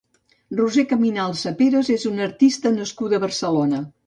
Roser Caminal Saperas és una artista nascuda a Barcelona.